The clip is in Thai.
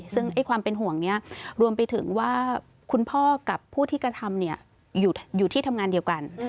ซึ่งความเป็นห่วงนี้รวมไปถึงว่าคุณพ่อกับผู้ที่กระทำอยู่ที่ทำงานเดียวกัน